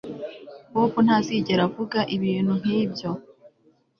Bobo ntazigera avuga ibintu nkibyo